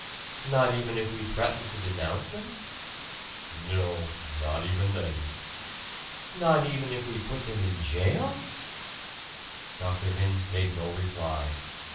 "Not even if we threatened to denounce them?" "No; not even then." "Not even if we put them in jail?" Dr. Vince made no reply.